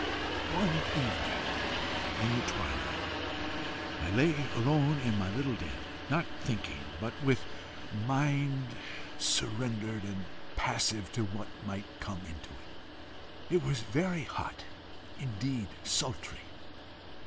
"One evening, in the twilight, I lay alone in my little den, not thinking, but with mind surrendered and passive to what might come into it. It was very hot indeed sultry.